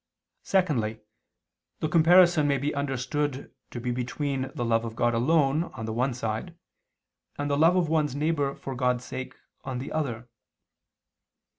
Secondly, the comparison may be understood to be between the love of God alone on the one side, and the love of one's neighbor for God's sake, on the other.